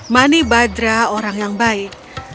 mani badra orang yang baik